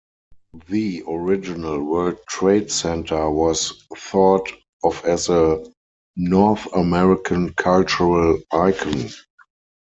The original World Trade Center was thought of as a North American cultural icon.